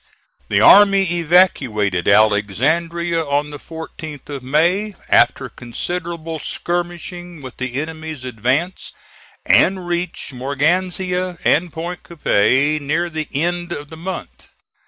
The army evacuated Alexandria on the 14th of May, after considerable skirmishing with the enemy's advance, and reached Morganzia and Point Coupee near the end of the month.